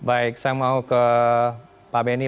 baik saya mau ke pak benny